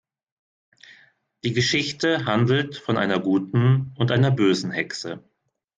Die Geschichte handelt von einer guten und einer bösen Hexe.